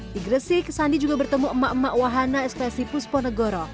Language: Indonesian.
di gresik sandi juga bertemu emak emak wahana ekspresi pusponegoro